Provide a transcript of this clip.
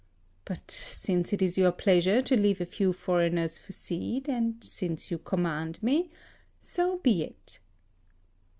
But since it is your pleasure to leave a few foreigners for seed, and since you command me, so be it."